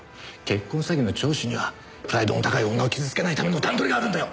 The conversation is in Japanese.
結婚詐欺の聴取にはプライドの高い女を傷つけないための段取りがあるんだよ！